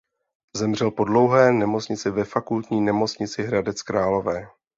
Zemřel po dlouhé nemoci ve Fakultní nemocnici Hradec Králové.